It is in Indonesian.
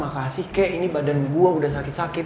makasih kek ini badan gua udah sakit sakit